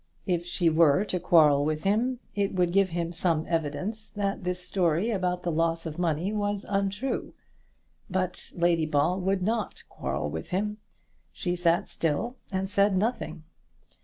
If she were to quarrel with him, it would give him some evidence that this story about the loss of the money was untrue. But Lady Ball would not quarrel with him. She sat still and said nothing.